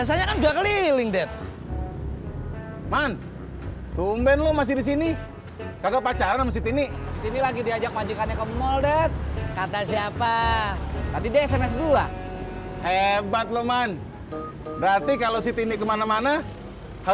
sampai jumpa di video selanjutnya